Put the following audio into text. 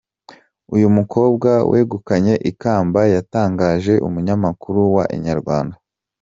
Uyu mukobwa wegukanye ikamba yatangarije umunyamakuru wa Inyarwanda.